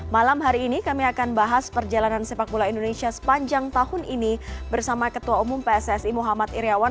malam hari ini kami akan bahas perjalanan sepak bola indonesia sepanjang tahun ini bersama ketua umum pssi muhammad iryawan